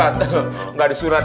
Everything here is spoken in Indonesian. masa akar jengkol saya sunat